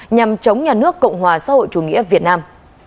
nhằm chống nhà nước cộng hòa xã hội chủ nghĩa việt nam